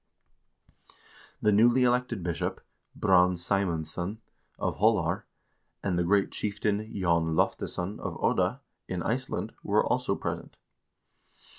1 The newly elected bishop, Brand Ssemundsson of Holar, and the great chieftain Jon Loftesson of Odda, in Iceland, were also present.